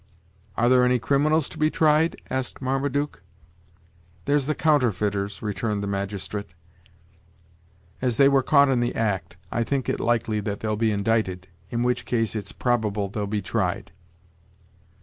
"Are there any criminals to be tried?" asked Marmaduke. "There's the counterfeiters," returned the magistrate, "as they were caught in the act, I think it likely that they'll be indicted, in which case it's probable they'll be tried."